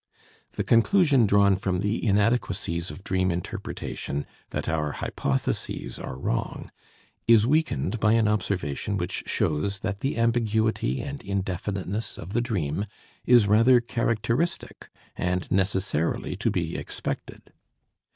The conclusion drawn from the inadequacies of dream interpretation, that our hypotheses are wrong, is weakened by an observation which shows that the ambiguity and indefiniteness of the dream is rather characteristic and necessarily to be expected.